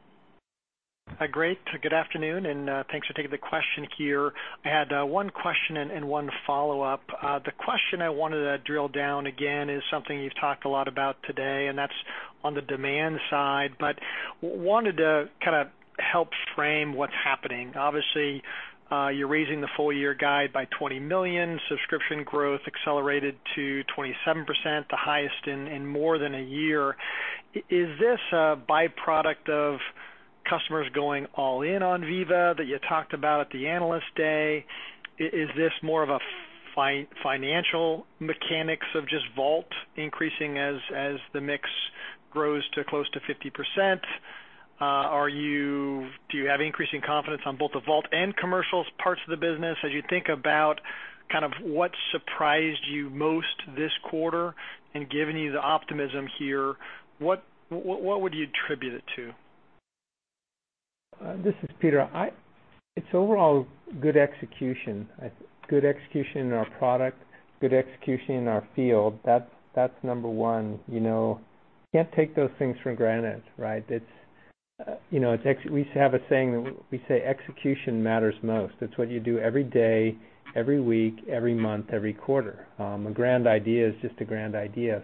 Great. Good afternoon, and thanks for taking the question here. I had one question and one follow-up. The question I wanted to drill down again is something you've talked a lot about today, and that's on the demand side. Wanted to kinda help frame what's happening. Obviously, you're raising the full year guide by $20 million. Subscription growth accelerated to 27%, the highest in more than a year. Is this a byproduct of customers going all in on Veeva that you talked about at the Analyst Day? Is this more of a financial mechanics of just Vault increasing as the mix grows to close to 50%? Do you have increasing confidence on both the Vault and commercials parts of the business? As you think about kind of what surprised you most this quarter and given you the optimism here, what would you attribute it to? This is Peter. It's overall good execution. Good execution in our product, good execution in our field. That's number one. You know, can't take those things for granted, right? It's, you know, we have a saying, we say execution matters most. It's what you do every day, every week, every month, every quarter. A grand idea is just a grand idea.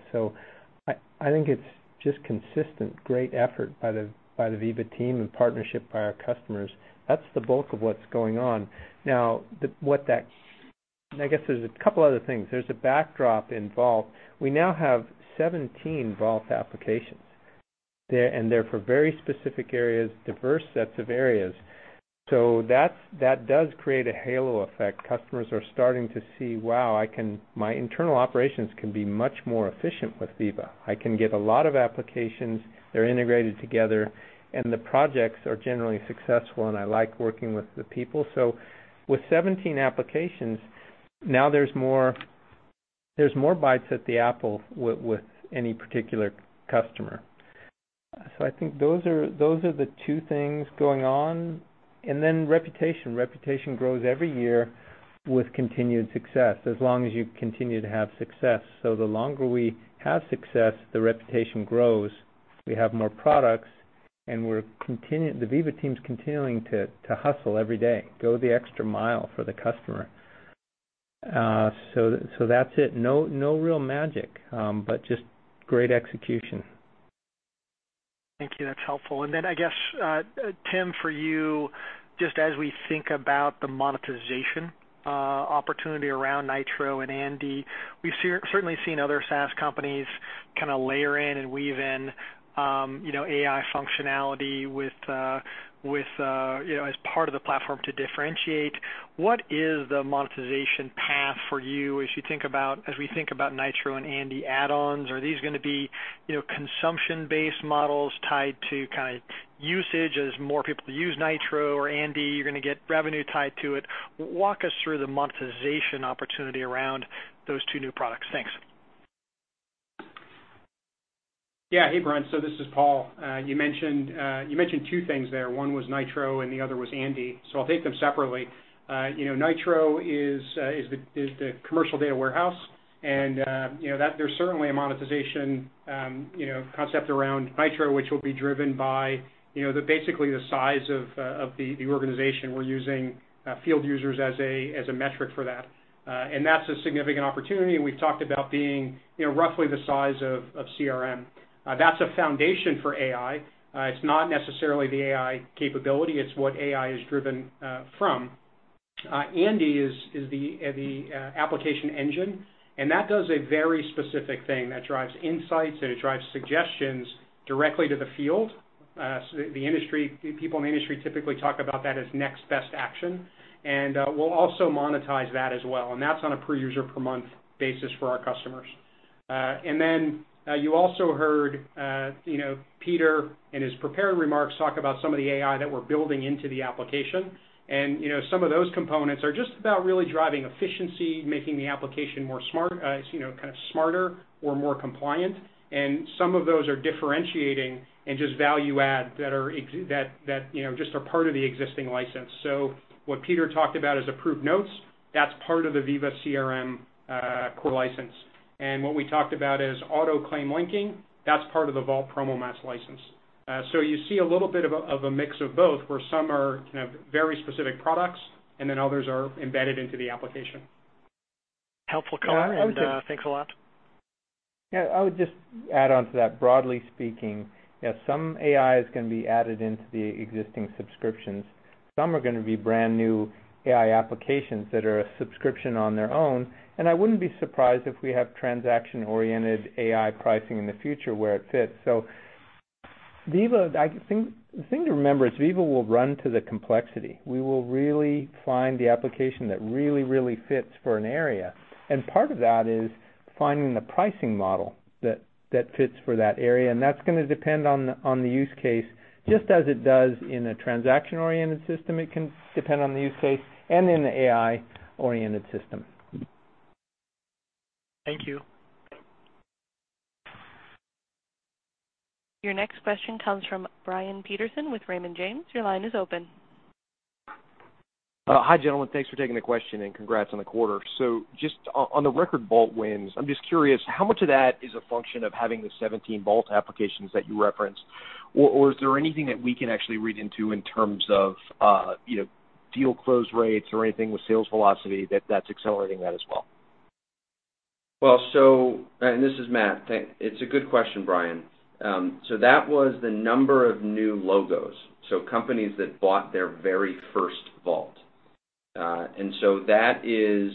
I think it's just consistent great effort by the Veeva team in partnership with our customers. That's the bulk of what's going on. What that I guess there's a couple other things. There's a backdrop in Vault. We now have 17 Vault applications there, and they're for very specific areas, diverse sets of areas. That does create a halo effect. Customers are starting to see, wow, my internal operations can be much more efficient with Veeva. I can get a lot of applications, they're integrated together, and the projects are generally successful, and I like working with the people. With 17 applications, now there's more, there's more bites at the apple with any particular customer. I think those are the two things going on. Then reputation. Reputation grows every year with continued success, as long as you continue to have success. The longer we have success, the reputation grows. We have more products, and we're continuing the Veeva team's continuing to hustle every day, go the extra mile for the customer. That's it. No real magic, but just great execution. Thank you. That's helpful. Then I guess, Tim, for you, just as we think about the monetization opportunity around Nitro and Andi, we've certainly seen other SaaS companies kinda layer in and weave in, you know, AI functionality with, you know, as part of the platform to differentiate. What is the monetization path for you as we think about Nitro and Andi add-ons? Are these gonna be, you know, consumption-based models tied to kinda usage as more people use Nitro or Andi, you're gonna get revenue tied to it? Walk us through the monetization opportunity around those two new products. Thanks. Hey, Brian. This is Paul. You mentioned two things there. One was Nitro, and the other was Andi. I'll take them separately. You know, Nitro is the commercial data warehouse, and, you know, that there's certainly a monetization, you know, concept around Nitro, which will be driven by, you know, basically the size of the organization. We're using field users as a metric for that. That's a significant opportunity, and we've talked about being, you know, roughly the size of CRM. That's a foundation for AI. It's not necessarily the AI capability. It's what AI is driven from. Andi is the application engine, and that does a very specific thing. That drives insights, and it drives suggestions directly to the field. So the industry people in the industry typically talk about that as next best action. We'll also monetize that as well, and that's on a per user per month basis for our customers. Then you also heard, you know, Peter in his prepared remarks talk about some of the AI that we're building into the application. You know, some of those components are just about really driving efficiency, making the application more smart, you know, kind of smarter or more compliant. Some of those are differentiating and just value add that are, that, you know, just are part of the existing license. What Peter talked about is Approved Notes. That's part of the Veeva CRM, core license. What we talked about is auto claim linking. That's part of the Vault PromoMats license. You see a little bit of a, of a mix of both, where some are kind of very specific products, and then others are embedded into the application. Helpful color. Yeah, I would say- Thanks a lot. Yeah, I would just add on to that, broadly speaking, yeah, some AI is gonna be added into the existing subscriptions. Some are gonna be brand-new AI applications that are a subscription on their own. I wouldn't be surprised if we have transaction-oriented AI pricing in the future where it fits. Veeva, I think the thing to remember is Veeva will run to the complexity. We will really find the application that really fits for an area. Part of that is finding the pricing model that fits for that area, and that's gonna depend on the use case, just as it does in a transaction-oriented system, it can depend on the use case, and in the AI-oriented system. Thank you. Your next question comes from Brian Peterson with Raymond James. Your line is open. Hi, gentlemen. Thanks for taking the question. Congrats on the quarter. Just on the record Vault wins, I'm just curious, how much of that is a function of having the 17 Vault applications that you referenced? Is there anything that we can actually read into in terms of, you know, deal close rates or anything with sales velocity that's accelerating that as well? This is Matt. It's a good question, Brian. That was the number of new logos, so companies that bought their very first Vault. That is,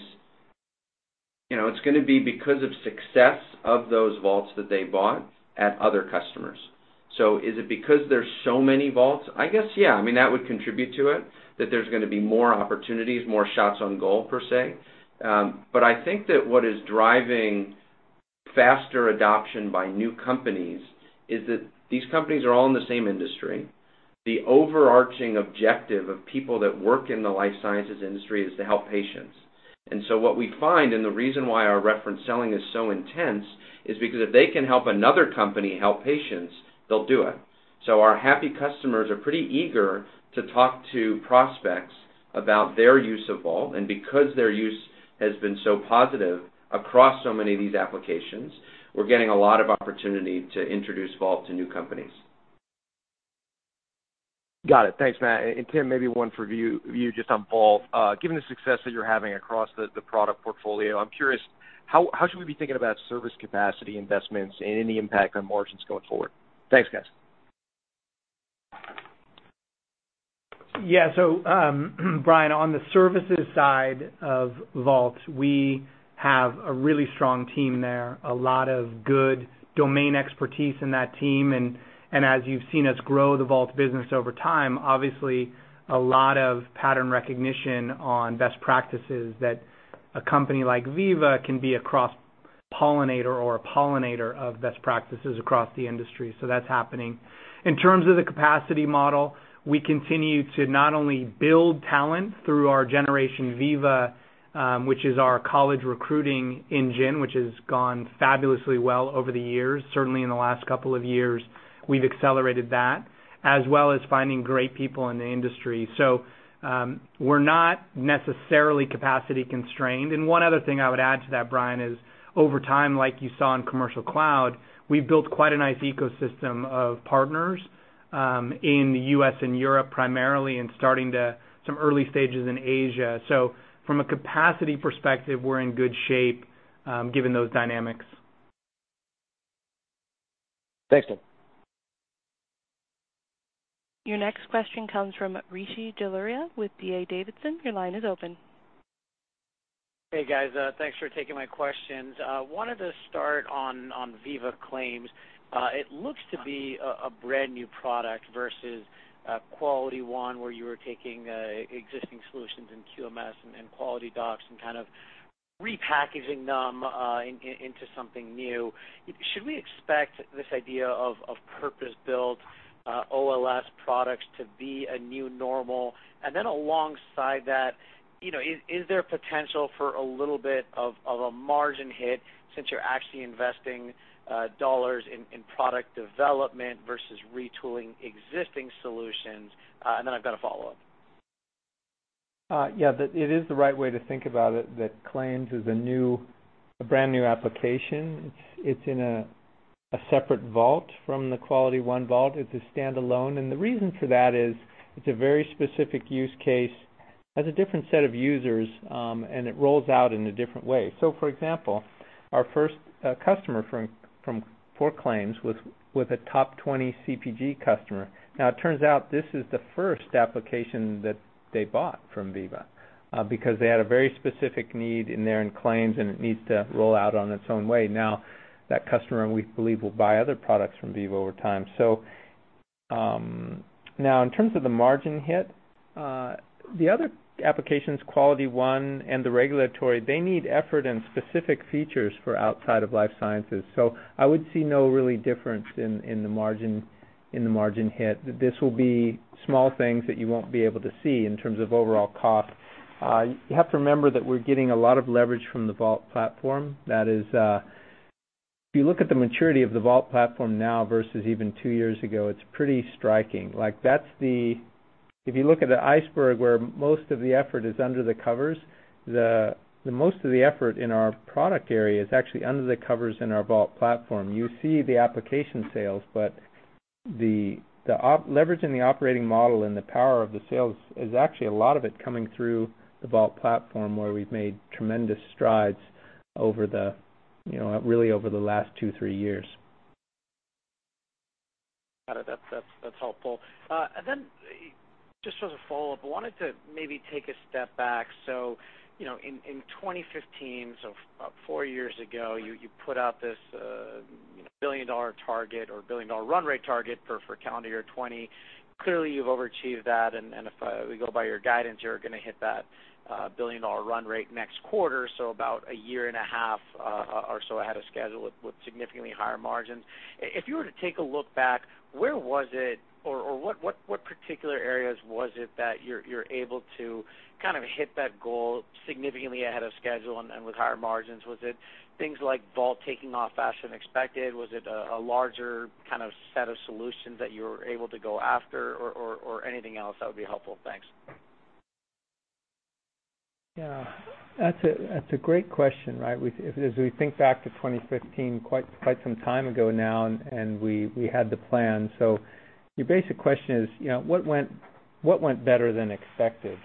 you know, it's gonna be because of success of those Vaults that they bought at other customers. Is it because there's so many Vaults? I guess, yeah. I mean, that would contribute to it, that there's gonna be more opportunities, more shots on goal, per se. I think that what is driving faster adoption by new companies is that these companies are all in the same industry. The overarching objective of people that work in the life sciences industry is to help patients. What we find, and the reason why our reference selling is so intense, is because if they can help another company help patients, they'll do it. Our happy customers are pretty eager to talk to prospects about their use of Vault, and because their use has been so positive across so many of these applications, we're getting a lot of opportunity to introduce Vault to new companies. Got it. Thanks, Matt. Tim, maybe one for you just on Vault. Given the success that you're having across the product portfolio, I'm curious, how should we be thinking about service capacity investments and any impact on margins going forward? Thanks, guys. Brian, on the services side of Vault, we have a really strong team there, a lot of good domain expertise in that team. And as you've seen us grow the Vault business over time, obviously, a lot of pattern recognition on best practices that a company like Veeva can be a cross-pollinator or a pollinator of best practices across the industry. That's happening. In terms of the capacity model, we continue to not only build talent through our Generation Veeva, which is our college recruiting engine, which has gone fabulously well over the years. Certainly, in the last couple of years, we've accelerated that, as well as finding great people in the industry. We're not necessarily capacity-constrained. One other thing I would add to that, Brian, is over time, like you saw in Commercial Cloud, we've built quite a nice ecosystem of partners in the U.S. and Europe primarily and starting to some early stages in Asia. From a capacity perspective, we're in good shape given those dynamics. Thanks, Tim. Your next question comes from Rishi Jaluria with D.A. Davidson. Your line is open. Hey, guys. Thanks for taking my questions. Wanted to start on Veeva Claims. It looks to be a brand-new product versus QualityOne where you were taking existing solutions in QMS and QualityDocs and kind of repackaging them into something new. Should we expect this idea of purpose-built OLS products to be a new normal? Alongside that, you know, is there potential for a little bit of a margin hit since you're actually investing dollars in product development versus retooling existing solutions? I've got a follow-up. Yeah, it is the right way to think about it, that Claims is a new, a brand-new application. It's in a separate vault from the Veeva QualityOne vault. It's a standalone. The reason for that is it's a very specific use case, has a different set of users, and it rolls out in a different way. For example, our first customer for Claims was a top 20 CPG customer. It turns out this is the first application that they bought from Veeva because they had a very specific need in there in Claims, and it needs to roll out on its own way. That customer, we believe, will buy other products from Veeva over time. Now in terms of the margin hit, the other applications, QualityOne and the Regulatory, they need effort and specific features for Outside Life Sciences. I would see no really difference in the margin hit. This will be small things that you won't be able to see in terms of overall cost. You have to remember that we're getting a lot of leverage from the Vault platform. That is, if you look at the maturity of the Vault platform now versus even two years ago, it's pretty striking. If you look at the iceberg where most of the effort is under the covers, the most of the effort in our product area is actually under the covers in our Vault platform. You see the application sales, but the leverage in the operating model and the power of the sales is actually a lot of it coming through the Vault platform, where we've made tremendous strides over the, you know, really over the last two, three years. Got it. That's, that's helpful. Just as a follow-up, I wanted to maybe take a step back. You know, in 2015, four years ago, you put out this, you know, $1 billion target or $1 billion run rate target for calendar year 2020. Clearly, you've overachieved that, if we go by your guidance, you're gonna hit that $1 billion run rate next quarter, so about 1.5 years or so ahead of schedule with significantly higher margins. If you were to take a look back, where was it or what particular areas was it that you're able to kind of hit that goal significantly ahead of schedule and with higher margins? Was it things like Vault taking off faster than expected? Was it a larger kind of set of solutions that you were able to go after or anything else? That would be helpful. Thanks. Yeah. That's a great question, right? As we think back to 2015, quite some time ago now, we had the plan. Your basic question is, you know, what went better than expected?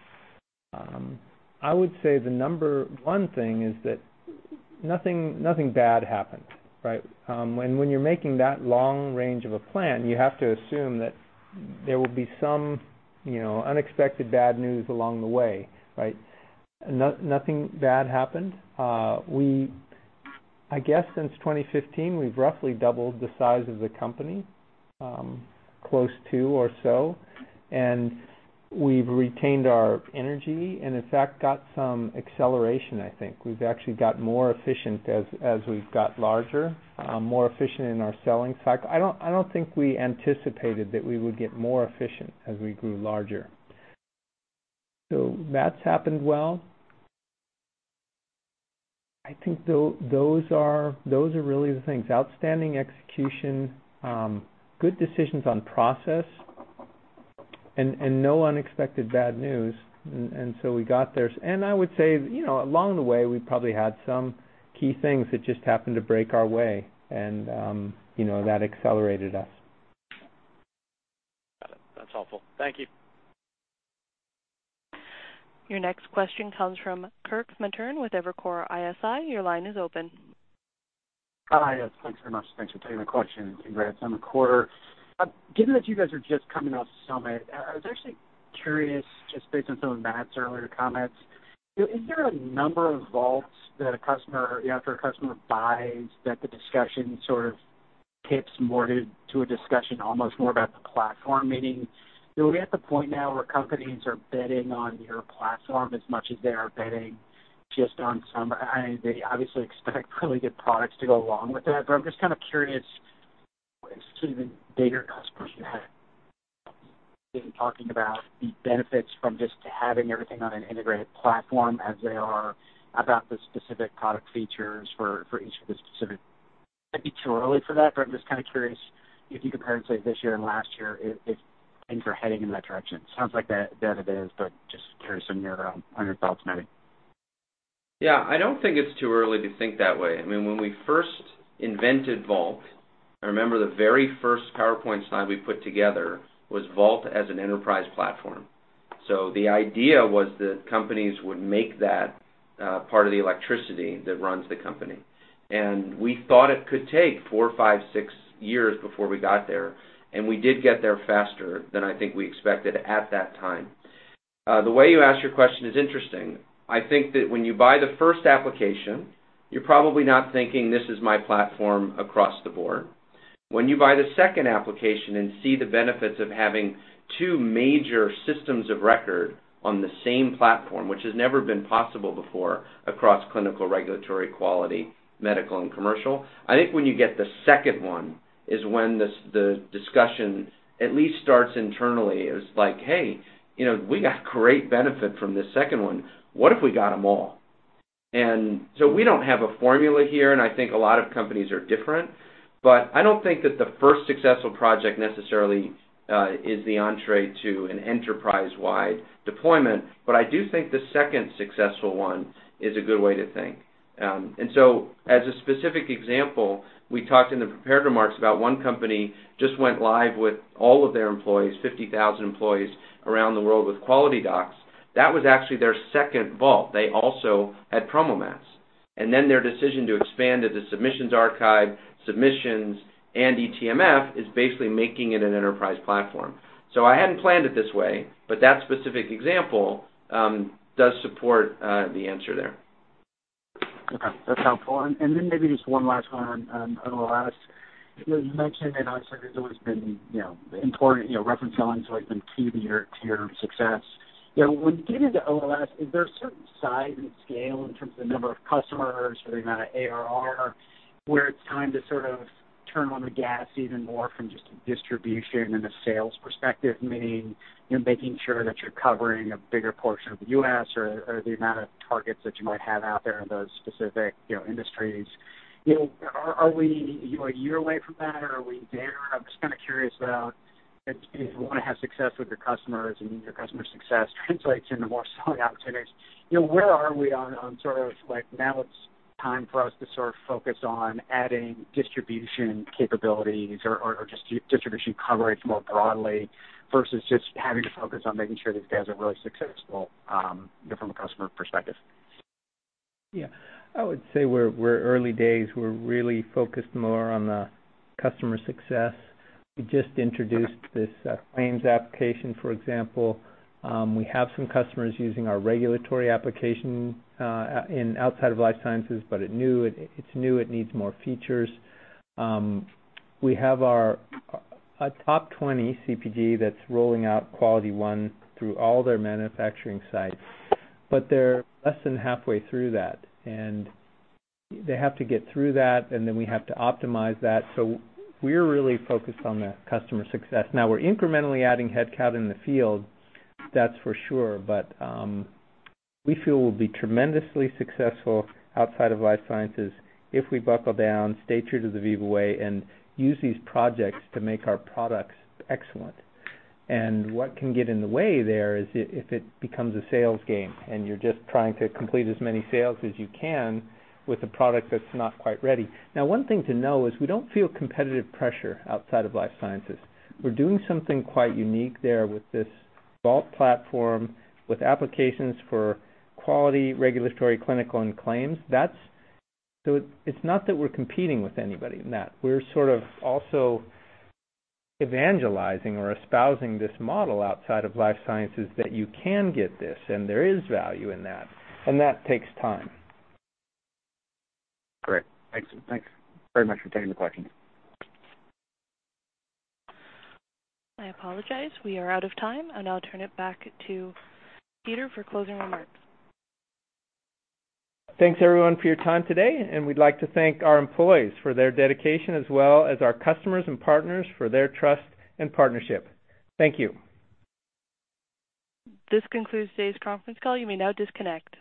I would say the number one thing is that nothing bad happened, right? When you're making that long range of a plan, you have to assume that there will be some, you know, unexpected bad news along the way, right? Nothing bad happened. I guess since 2015, we've roughly doubled the size of the company, close to or so, and we've retained our energy and in fact got some acceleration, I think. We've actually got more efficient as we've got larger, more efficient in our selling cycle. I don't think we anticipated that we would get more efficient as we grew larger. That's happened well. I think those are really the things, outstanding execution, good decisions on process and no unexpected bad news. We got there. I would say, you know, along the way, we probably had some key things that just happened to break our way and, you know, that accelerated us. Got it. That's helpful. Thank you. Your next question comes from Kirk Materne with Evercore ISI. Your line is open. Hi. Yes, thanks very much. Thanks for taking the question, and congrats on the quarter. Given that you guys are just coming off Summit, I was actually curious, just based on some of Matt's earlier comments, you know, is there a number of Vaults that a customer after a customer buys that the discussion sort of tips more to a discussion almost more about the platform? Meaning, you know, are we at the point now where companies are bidding on your platform as much as they are bidding just on some They obviously expect really good products to go along with it, but I'm just kind of curious as to the bigger customers you had. Been talking about the benefits from just having everything on an integrated platform as they are about the specific product features for each of the specific. Might be too early for that, but I'm just kind of curious if you compare, say, this year and last year, if things are heading in that direction. Sounds like that it is, but just curious on your thoughts, maybe. Yeah. I don't think it's too early to think that way. I mean, when we first invented Vault, I remember the very first PowerPoint slide we put together was Vault as an enterprise platform. The idea was that companies would make that part of the electricity that runs the company. We thought it could take four, five, six years before we got there, and we did get there faster than I think we expected at that time. The way you asked your question is interesting. I think that when you buy the first application, you're probably not thinking, "This is my platform across the board." When you buy the second application and see the benefits of having two major systems of record on the same platform, which has never been possible before across clinical, regulatory, quality, medical, and commercial, I think when you get the second one is when the discussion at least starts internally as like, "Hey, you know, we got great benefit from the second one. What if we got them all?" We don't have a formula here, and I think a lot of companies are different, but I don't think that the first successful project necessarily is the entree to an enterprise-wide deployment. I do think the second successful one is a good way to think. As a specific example, we talked in the prepared remarks about one company just went live with all of their employees, 50,000 employees around the world with QualityDocs. That was actually their second Vault. They also had PromoMats. Their decision to expand to the Submissions Archive, Submissions, and eTMF is basically making it an enterprise platform. I hadn't planned it this way, but that specific example does support the answer there. Okay. That's helpful. Then maybe just one last one on OLS. You know, you mentioned and obviously there's always been, you know, important, you know, reference lines always been key to your success. You know, when getting to OLS, is there a certain size and scale in terms of the number of customers or the amount of ARR where it's time to sort of turn on the gas even more from just a distribution and a sales perspective, meaning, you know, making sure that you're covering a bigger portion of the U.S. or the amount of targets that you might have out there in those specific, you know, industries? You know, are we, you know, 1 year away from that, or are we there? I'm just kind of curious about if you wanna have success with your customers and your customer success translates into more selling opportunities. You know, where are we on sort of like now it's time for us to sort of focus on adding distribution capabilities or just distribution coverage more broadly versus just having to focus on making sure these guys are really successful, you know, from a customer perspective? Yeah. I would say we're early days. We're really focused more on the customer success. We just introduced this claims application, for example. We have some customers using our regulatory application in Outside Life Sciences, but it's new. It's new, it needs more features. We have our, a top 20 CPG that's rolling out QualityOne through all their manufacturing sites, but they're less than halfway through that. They have to get through that, and then we have to optimize that. We're really focused on the customer success. Now, we're incrementally adding headcount in the field, that's for sure. We feel we'll be tremendously successful Outside Life Sciences if we buckle down, stay true to the Veeva way, and use these projects to make our products excellent. What can get in the way there is if it becomes a sales game and you're just trying to complete as many sales as you can with a product that's not quite ready. One thing to know is we don't feel competitive pressure outside of life sciences. We're doing something quite unique there with this Vault platform, with applications for quality, regulatory, clinical, and claims. That's. It's not that we're competing with anybody in that. We're sort of also evangelizing or espousing this model outside of life sciences that you can get this and there is value in that, and that takes time. Great. Thanks. Thanks very much for taking the question. I apologize. We are out of time, and I'll turn it back to Peter for closing remarks. Thanks everyone for your time today, and we'd like to thank our employees for their dedication as well as our customers and partners for their trust and partnership. Thank you. This concludes today's conference call. You may now disconnect.